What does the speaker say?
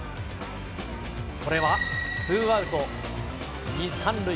それは、ツーアウト２、３塁。